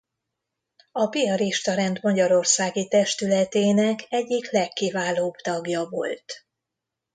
A piarista rend magyarországi testületének egyik legkiválóbb tagja volt.